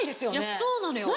そうなのよ。